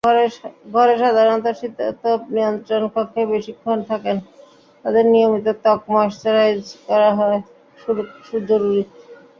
যারা সাধারণত শীতাতপ নিয়ন্ত্রণকক্ষে বেশিক্ষণ থাকেন, তাদের নিয়মিত ত্বক ময়েশ্চারাইজ করা জরুরি।